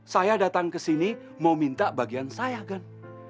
saya datang kesini mau minta bagian saya kan